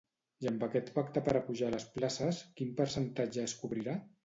I amb aquest pacte per a pujar les places, quin percentatge es cobrirà?